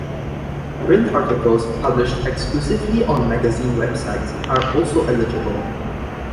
Print articles published exclusively on magazine websites are also eligible.